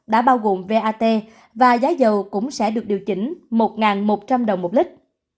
đã bao gồm vat và giá dầu cũng sẽ được điều chỉnh một một trăm linh đồng một lít